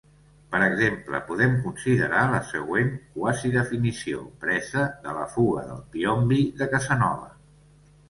Per exemple, podem considerar la següent quasi-definició presa de la Fuga dai Piombi de Casanova.